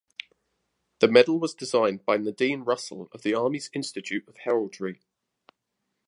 The medal was designed by Nadine Russell of the Army's Institute of Heraldry.